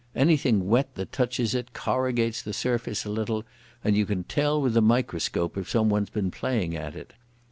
Anything wet that touches it corrugates the surface a little, and you can tell with a microscope if someone's been playing at it.